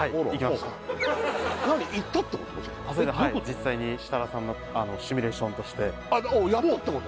実際に設楽さんのシミュレーションとしてあっやったってこと？